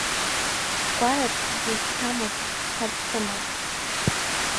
Ҳкәараҿ, ӡы зҭамыз, цҳа зхымыз.